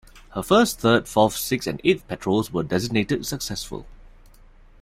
Her first, third, fourth, sixth, and eighth patrols were designated successful.